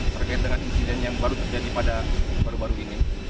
terkait dengan insiden yang baru terjadi pada baru baru ini